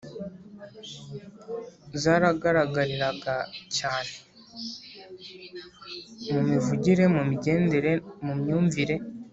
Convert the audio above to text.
zaragaragariraga cyane, mu mivugire, mu migendere, mu myumvire,